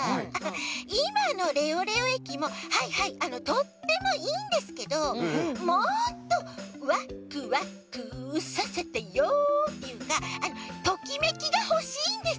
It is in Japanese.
いまのレオレオえきもはいはいとってもいいんですけどもっとワクワクさせてよっていうかトキメキがほしいんです。